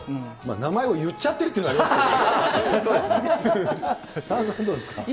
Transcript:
名前を言っちゃってるっていうのもありますけれどもね。